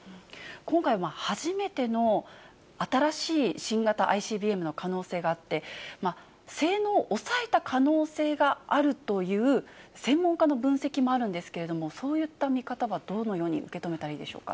今回、初めての新しい新型ＩＣＢＭの可能性があって、性能を抑えた可能性があるという専門家の分析もあるんですけれども、そういった見方はどのように受け止めたらいいでしょうか。